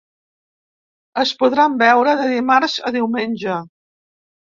Es podran veure de dimarts a diumenge.